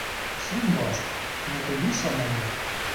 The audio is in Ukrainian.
Всім важко, не тобі самому.